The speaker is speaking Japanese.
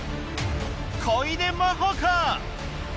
小出真保か？